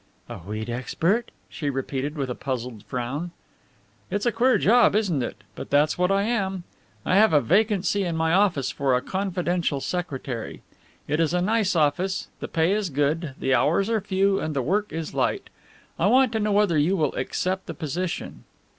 "A wheat expert?" she repeated with a puzzled frown. "It's a queer job, isn't it? but that's what I am. I have a vacancy in my office for a confidential secretary. It is a nice office, the pay is good, the hours are few and the work is light. I want to know whether you will accept the position."